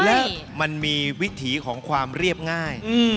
และมันมีวิถีของความเรียบง่าย